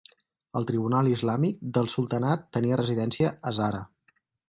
El tribunal islàmic del sultanat tenia residència a Zara.